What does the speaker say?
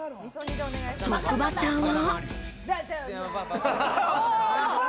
トップバッターは。